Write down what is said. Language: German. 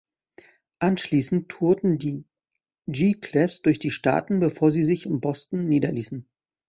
Anschließend tourten die "G-Clefs" durch die Staaten, bevor sie sich in "Boston" niederließen.